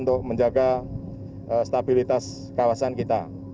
untuk menjaga stabilitas kawasan kita